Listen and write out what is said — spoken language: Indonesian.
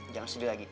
jangan sedih lagi